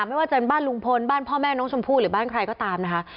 ไม่ว่าจะเป็นบ้านลุงพลบ้านพ่อแม่น้องชมพู่หรือบ้านใครก็ตามนะคะ